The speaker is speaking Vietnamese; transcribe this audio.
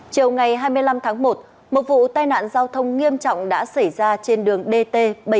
chiều ngày hai mươi năm tháng một một vụ tai nạn giao thông nghiêm trọng đã xảy ra trên đường dt bảy trăm bốn mươi